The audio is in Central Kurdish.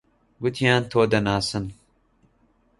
گوتیان تۆ دەناسن.